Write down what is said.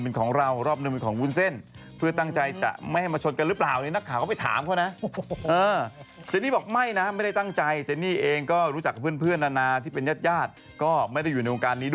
หมายถึงว่ามันคือจะไม่มีแบบว่าญาติดีกัน